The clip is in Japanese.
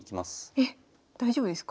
えっ大丈夫ですか？